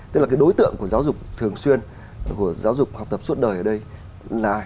tức là cái đối tượng của giáo dục thường xuyên của giáo dục học tập suốt đời ở đây là ai